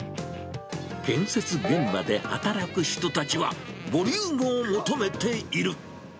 建設現場で働く人たちは、ボリュームを求めている。